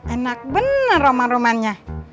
enak bener romanya romanya